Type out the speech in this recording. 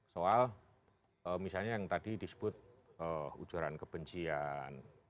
soal misalnya yang tadi disebut ujaran kebencian